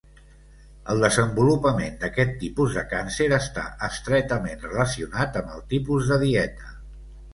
El desenvolupament d’aquest tipus de càncer està estretament relacionat amb el tipus de dieta.